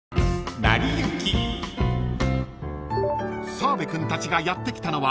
［澤部君たちがやって来たのは］